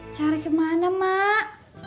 cari kemana mak